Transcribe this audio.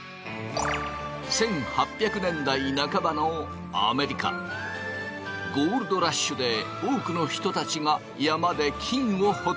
１８００年代半ばのアメリカゴールドラッシュで多くの人たちが山で金を掘っていた。